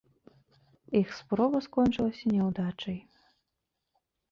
Іх спроба скончылася няўдачай.